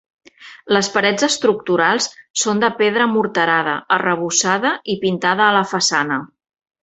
Les parets estructurals són de pedra morterada, arrebossada i pintada a la façana.